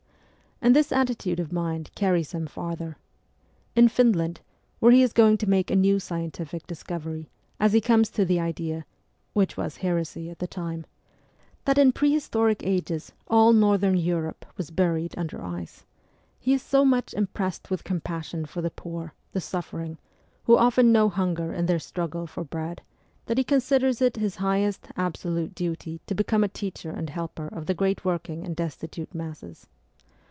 And this attitude of mind carries him farther. In Finland, where he is going to make a new scientific discovery, as he comes to the idea which was heresy at that time that in prehistoric ages all Northern Europe was buried under ice, he is so much impressed with compassion for the poor, the suffering, who often know hunger in their struggle for bread, that he considers it his highest, absolute duty to become a teacher and helper of the great working and destitute masses.